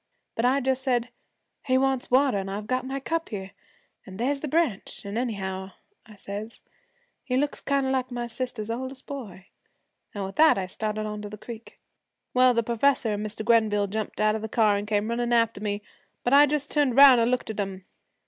But I just said, "He wants water, an' I've got my cup here, an' there's the branch, an' anyhow," I says, "he looks kind of like my sister's oldest boy," an' with that I started on to the creek. 'Well, the professor an' Mr. Grenville jumped out of the car an' came runnin' after me, but I just turned 'round an' looked at 'em.